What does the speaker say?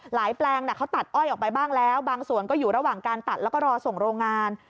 แปลงเขาตัดอ้อยออกไปบ้างแล้วบางส่วนก็อยู่ระหว่างการตัดแล้วก็รอส่งโรงงาน